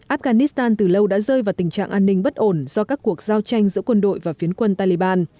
afghanistan từ lâu đã rơi vào tình trạng an ninh bất ổn do các cuộc giao tranh giữa quân đội và phiến quân taliban